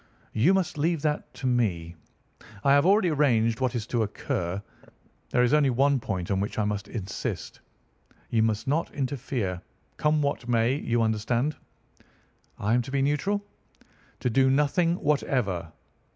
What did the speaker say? "You must leave that to me. I have already arranged what is to occur. There is only one point on which I must insist. You must not interfere, come what may. You understand?" "I am to be neutral?" "To do nothing whatever.